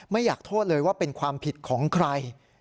ไม่อยากโทษเลยว่าเป็นความผิดของใคร